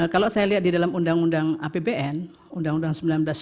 kalau saya lihat di dalam undang undang apbn undang undang sembilan belas dua ribu dua puluh tiga